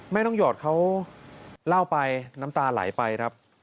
น้องหยอดเขาเล่าไปน้ำตาไหลไปครับ